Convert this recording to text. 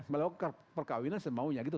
melakukan perkawinan semau nya gitu